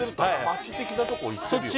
まち的なとこ行ってるよね？